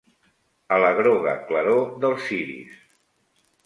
...a la groga claror dels ciris